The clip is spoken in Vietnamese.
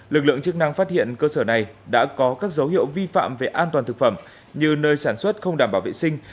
lực lượng chức năng phát hiện cơ sở này đã có các dấu hiệu vi phạm về an toàn thực phẩm như nơi sản xuất không đảm bảo vệ sinh